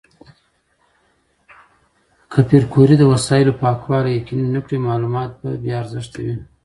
که پېیر کوري د وسایلو پاکوالي یقیني نه کړي، معلومات به بې ارزښته وي.